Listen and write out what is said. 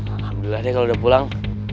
alhamdulillah deh kalau udah pulang